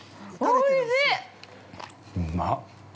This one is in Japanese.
おいしい。